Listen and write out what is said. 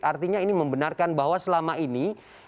artinya ini membenarkan bahwa selama ini